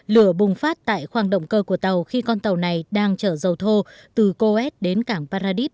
lửa bùng phát tại khoang động cơ của tàu khi con tàu này đang chở dầu thô từ coet đến cảng paradit